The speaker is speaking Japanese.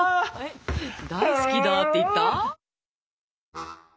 大好きだって言った？